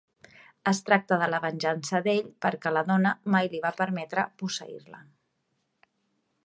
Es tracta de la venjança d'ell perquè la dona mai li va permetre posseir-la.